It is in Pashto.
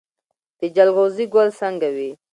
د جلغوزي ګل څنګه وي؟